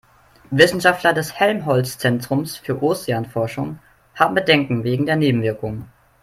Wissenschaftler des Helmholtz-Zentrums für Ozeanforschung haben Bedenken wegen der Nebenwirkungen.